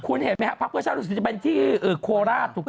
คุณเห็นไหมครับพรรคเบื้อชาติจะเป็นที่โคลาศถูกต้องไหม